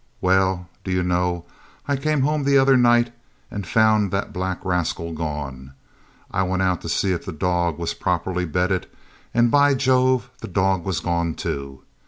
Well, do you know, I came home the other night and found that black rascal gone? I went out to see if the dog was properly bedded, and by Jove, the dog was gone too.